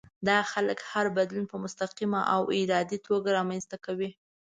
دا خلک هر بدلون په مستقيمه او ارادي توګه رامنځته کوي.